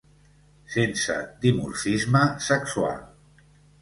Sense dimorfisme sexual.